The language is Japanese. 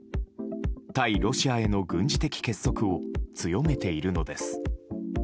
対ロシアへの軍事的結束を強めているのです。